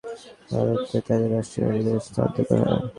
অবস্থার অবনতি হলে শুক্রবার রাতে তাকে রাজশাহী মেডিকেলে স্থানান্তর করা হয়।